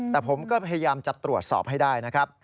แต่ผมก็พยายามจัดตรวจสอบให้ได้